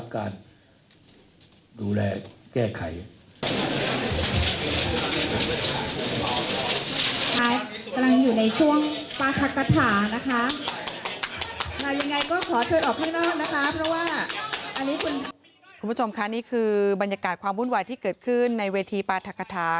คุณผู้ชมค่ะนี่คือบรรยากาศความวุ่นวายที่เกิดขึ้นในเวทีปราธกฐา